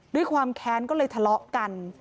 ด้วยความแค้นก็เลยทะเลาะกัน